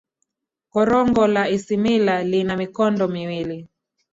korongo la isimila lina mikondo miwili